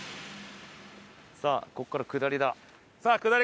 さあここから下りだ。